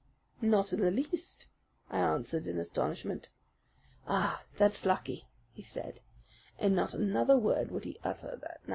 "Not in the least," I answered in astonishment. "Ah, that's lucky," he said, and not another word would he utter that night.